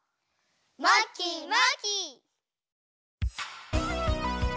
まきまき！